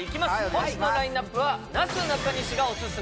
本日のラインナップはなすなかにしがオススメ